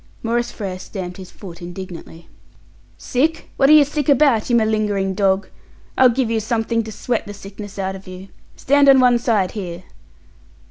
Maurice Frere stamped his foot indignantly. "Sick! What are you sick about, you malingering dog? I'll give you something to sweat the sickness out of you. Stand on one side here!"